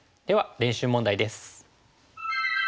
練習問題です。